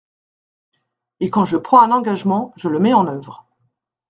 Et quand je prends un engagement, je le mets en œuvre.